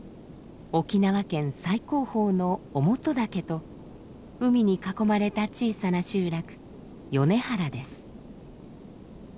沖縄県最高峰の於茂登岳と海に囲まれた小さな集落米原です。